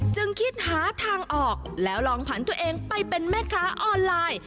จึงคิดหาทางออกแล้วลองผันตัวเองไปเป็นแม่ค้าออนไลน์